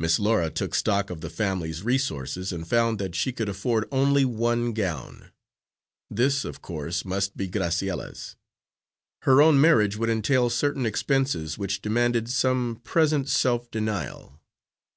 Miss Laura took stock of the family's resources, and found that she could afford only one gown. This, of course, must be Graciella's. Her own marriage would entail certain expenses which demanded some present self denial.